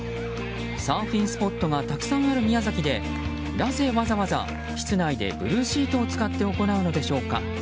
サーフィンスポットがたくさんある宮崎でなぜわざわざ室内でブルーシートを使って行うのでしょうか？